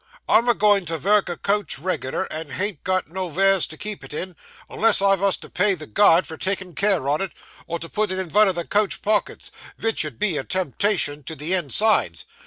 I'm a goin' to vork a coach reg'lar, and ha'n't got noveres to keep it in, unless I vos to pay the guard for takin' care on it, or to put it in vun o' the coach pockets, vich 'ud be a temptation to the insides.